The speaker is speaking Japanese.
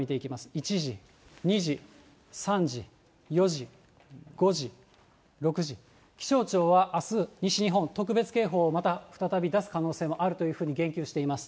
１時、２時、３時、４時、５時、６時、気象庁はあす、西日本に特別警報を、また再び出す可能性もあるというふうに言及しています。